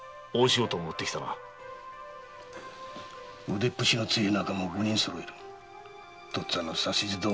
腕っぷしの強ぇ仲間を五人そろえる。とっつぁんの指図どおり動かしていい。